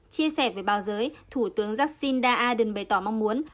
chia sẻ với báo giới thủ tướng jacinda ardern bày tỏ mong muốn